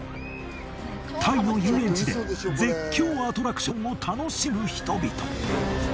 タイの遊園地で絶叫アトラクションを楽しむ人々。